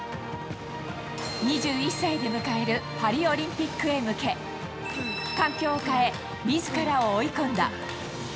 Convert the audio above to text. ２１歳で迎えるパリオリンピックへ向け、環境を変え、みずからを追い込んだ。